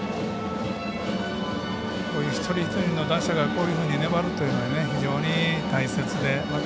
一人一人の打者がこういうふうに粘るというのは非常に大切でまた